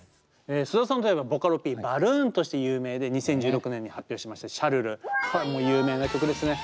須田さんといえばボカロＰバルーンとして有名で２０１６年に発表しました「シャルル」これはもう有名な曲ですね。